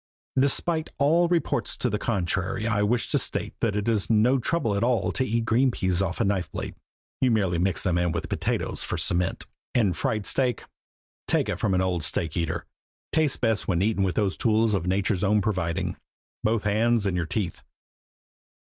Despite all reports to the contrary, I wish to state that it is no trouble at all to eat green peas off a knife blade you merely mix them in with potatoes for a cement; and fried steak take it from an old steak eater tastes best when eaten with those tools of Nature's own providing, both hands and your teeth.